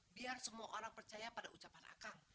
biar semua orang percaya pada ucapan akan